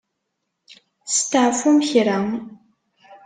Steɛfum kra.